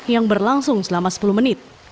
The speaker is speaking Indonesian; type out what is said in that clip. yang berlangsung selama sepuluh menit